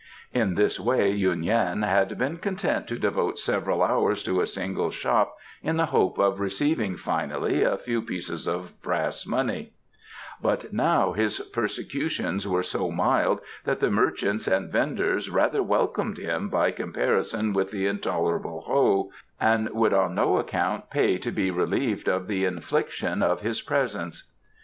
In this way Yuen Yan had been content to devote several hours to a single shop in the hope of receiving finally a few pieces of brass money; but now his persecutions were so mild that the merchants and vendors rather welcomed him by comparison with the intolerable Ho, and would on no account pay to be relieved of the infliction of his presence.